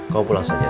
kau pulang saja